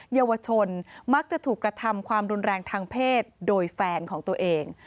เยาวชนมักจะถูกกระทำความรุนแรงทางเพศโดยแฟนของตัวเอง